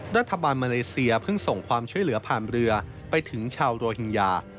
รัฐบาลมาเลเซียเพิ่งส่งความช่วยเหลือผ่านเรือไปถึงชาวโรฮิงญา